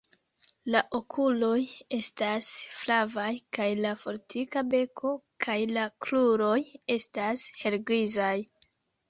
La okuloj estas flavaj kaj la fortika beko kaj la kruroj estas helgrizaj.